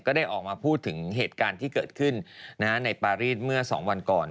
ได้ออกมาพูดถึงเหตุการณ์ที่เกิดขึ้นในปารีสเมื่อ๒วันก่อน